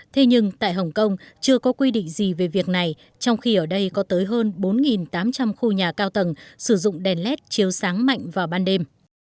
thế nhưng tại hồng kông chưa có quy định gì về việc này trong khi ở đây có tới hơn bốn tám trăm linh khu nhà cao tầng sử dụng đèn led chiếu sáng mạnh vào ban đêm